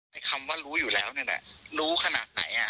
คำว่ารู้อยู่แล้วนี่แหละรู้ขนาดไหน